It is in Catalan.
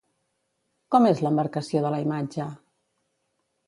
Com és l'embarcació de la imatge?